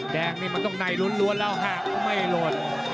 แดงนี่มันต้องไหนลุ้นรวดแล้วหากไม่ลด